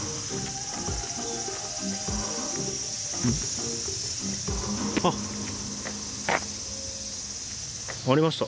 んっ？あっ。ありました。